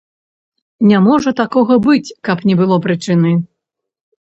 Не можа такога быць, каб не было прычыны!